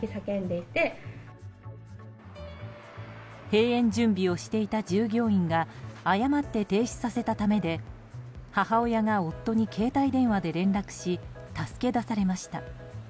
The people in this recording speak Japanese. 閉園準備をしていた従業員が誤って停止させたためで母親が夫に携帯電話で連絡し助け出されました。